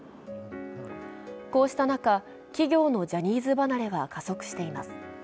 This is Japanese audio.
こうした中、企業のジャニーズ離れは加速しています。